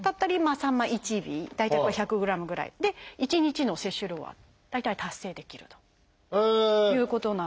さんま１尾大体これ１００グラムぐらいで１日の摂取量は大体達成できるということなんです。